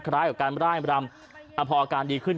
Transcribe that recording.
คล้ายกับการไล่บรรยามแต่พออาการดีขึ้น